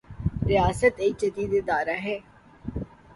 ریاست ایک جدید ادارہ ہے۔